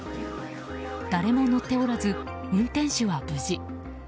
誰も乗っておらず運転手は無事。